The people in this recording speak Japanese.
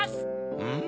うん。